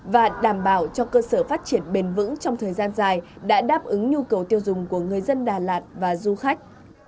và đảm bảo cho cơ sở phát triển bền vững trong thời gian dài đã đáp ứng nhu cầu tiêu dùng của người dân đà lạt và du khách